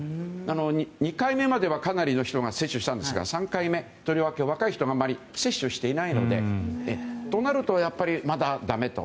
２回目まではかなりの人が接種したんですが３回目、とりわけ若い人があまり接種していないのでとなると、まだだめと。